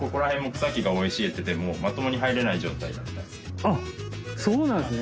元々あっそうなんですね。